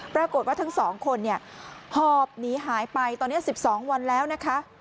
ปรากฏว่าทั้งสองคนเนี่ยหอบหนีหายไปตอนเนี้ยสิบสองวันแล้วนะคะ